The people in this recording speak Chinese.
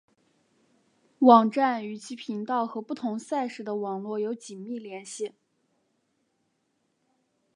网站与其频道和不同赛事的网络有紧密联系。